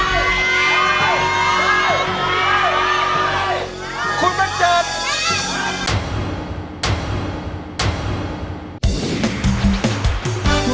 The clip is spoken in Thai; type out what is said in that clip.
คุณบัญเจิด